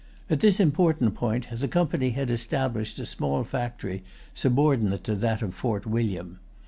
At this important point, the Company had established a small factory subordinate to that of Fort William.